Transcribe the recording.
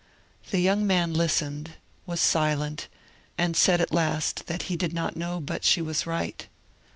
The young man listened, was silent, and said at last that he did not know but she was right.